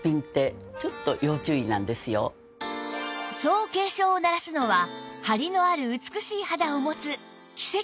そう警鐘を鳴らすのはハリのある美しい肌を持つ奇跡の８６歳